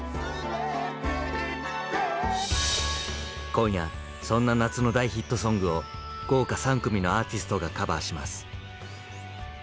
今夜そんな夏の大ヒットソングを豪華３組のアーティストがカバーします。